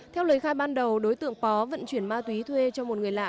theo lời khai ban đầu đối tượng bó vận chuyển ma túy thuê cho một người lạ